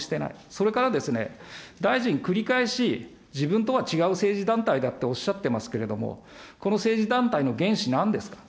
それからですね、大臣、繰り返し自分とは違う政治団体だとおっしゃってますけれども、この政治団体の原資、なんですか。